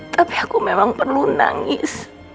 tapi aku memang perlu nangis